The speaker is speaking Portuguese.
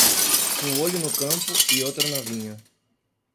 Um olho no campo e outro na vinha.